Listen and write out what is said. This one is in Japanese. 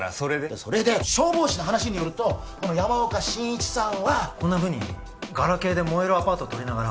それで消防士の話によるとこの山岡真一さんはこんな風にガラケーで燃えるアパート撮りながら